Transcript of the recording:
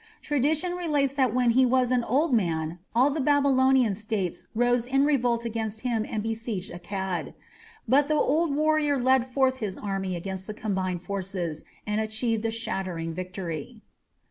Tradition relates that when he was an old man all the Babylonian states rose in revolt against him and besieged Akkad. But the old warrior led forth his army against the combined forces and achieved a shattering victory.